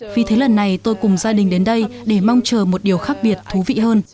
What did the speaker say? vì thế lần này tôi cùng gia đình đến đây để mong chờ một điều khác biệt thú vị hơn